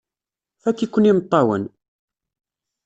Fakk-iken imeṭṭawen!